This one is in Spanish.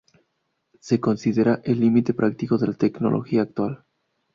Se considera el límite práctico de la tecnología actual.